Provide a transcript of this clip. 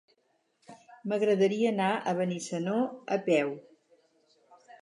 M'agradaria anar a Benissanó a peu.